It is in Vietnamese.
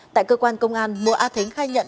tại cơ quan công an mùa a thính khai nhận